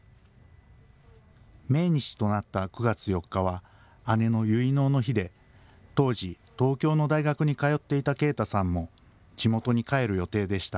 命日となった９月４日は、姉の結納の日で、当時、東京の大学に通っていた圭太さんも、地元に帰る予定でした。